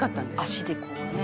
「足でこうね」